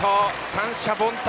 三者凡退！